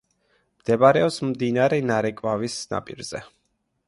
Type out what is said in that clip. მდებარეობს მდინარე ნარეკვავის ნაპირზე.